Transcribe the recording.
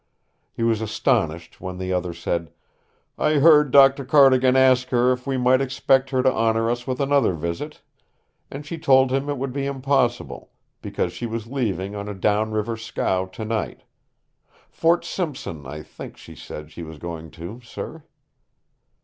He was astonished when the other said: "I heard Doctor Cardigan ask her if we might expect her to honor us with another visit, and she told him it would be impossible, because she was leaving on a down river scow tonight. Fort Simpson, I think she said she was going to, sir."